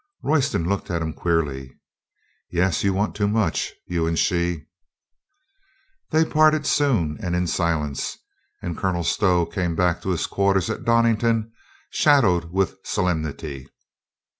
Royston looked at him queerly. "Yes, you want too much, you and she." They parted soon, and in silence, and Colonel Stow came back to his quarters at Donnington, shadowed with solemnity.